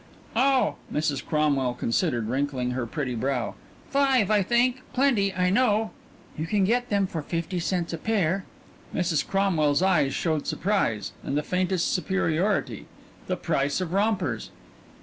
"Oh, " Mrs. Cromwell considered, wrinkling her pretty brow. "Five, I think. Plenty, I know." "You can get them for fifty cents a pair." Mrs. Cromwell's eyes showed surprise and the faintest superiority. The price of rompers!